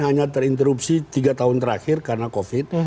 hanya terinterupsi tiga tahun terakhir karena covid